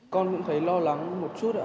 con cũng thấy lo lắng một chút ạ